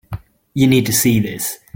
You need to see this.